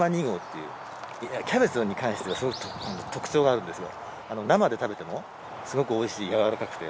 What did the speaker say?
キャベツに関してはすごく特長があるんですよ。